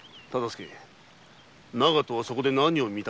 長門はそこで何を見たかだ。